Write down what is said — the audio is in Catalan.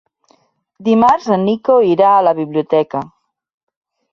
Dimarts en Nico irà a la biblioteca.